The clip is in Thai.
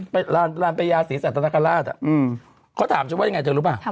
ไปตรงล้านประเยาศีรสัตว์ตะนักฐาลาศอก็ถามเชื้อใจดังไงเจอรู้ปะ